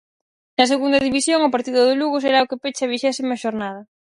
Na Segunda División, o partido do Lugo será o que peche a vixésima xornada.